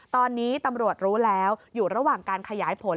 ตอนนี้ตำรวจรู้แล้วอยู่ระหว่างการขยายผล